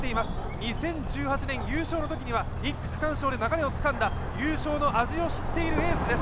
２０１８年優勝のときには１区区間賞で流れをつかんだ、優勝の味を知っているエースです。